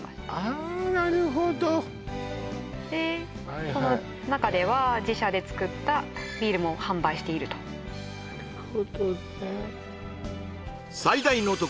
あーなるほどでこの中では自社でつくったビールも販売しているとなるほどね